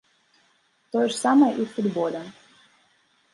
Тое ж самае і ў футболе.